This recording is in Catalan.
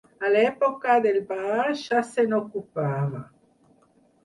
A l'època del bar ja se n'ocupava.